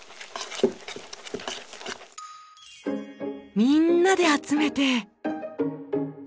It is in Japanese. みんなで集めて。